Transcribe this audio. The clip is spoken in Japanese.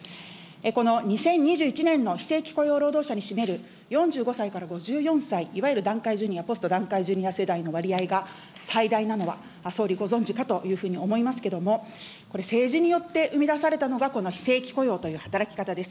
この２０２１年の非正規雇用労働者に占める、４５歳から５４歳、いわゆる団塊ジュニア、ポスト団塊ジュニア世代の割合が最大なのは、総理、ご存じかというふうに思いますけども、これ、政治によって生み出されたのが、この非正規雇用という働き方です。